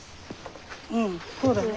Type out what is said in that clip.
うんそうだね。